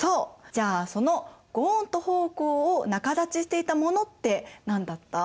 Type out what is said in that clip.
じゃあその御恩と奉公を仲立ちしていたものって何だった？